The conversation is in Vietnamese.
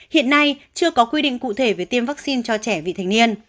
hiện nay chưa có quy định cụ thể về tiêm vaccine cho trẻ vị thành niên